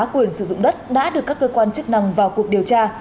quyền sử dụng đất đã được các cơ quan chức năng vào cuộc điều tra